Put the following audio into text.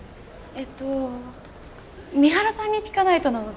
えっと三原さんに聞かないとなので。